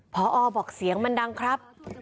พอบอกเสียงมันดังครับ